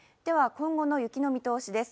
今後の雪の見通しです。